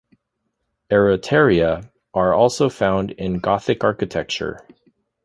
Acroteria are also found in Gothic architecture.